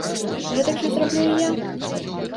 Гэтак жа зраблю і я!